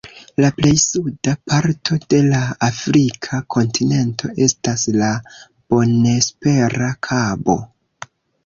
La plej suda parto de la Afrika kontinento estas la Bonespera Kabo.